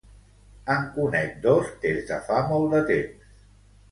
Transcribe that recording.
En conec dos des de fa molt de temps.